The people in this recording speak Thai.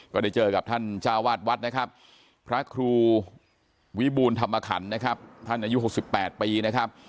ก็ได้เจอกับท่านเจ้าวาดวัดนะครับพระครูวิบูรธรรมขันนะครับท่านอายุ๖๘ปีนะครับ